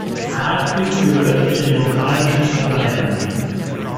Hardwick gehörte der Demokratischen Partei an.